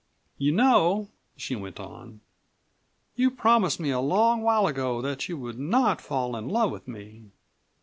You know," she went on, "you promised me a long while ago that you would not fall in love with me."